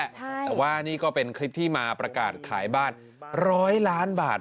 แต่ว่านี่ก็เป็นคลิปที่มาประกาศขายบ้าน๑๐๐ล้านบาท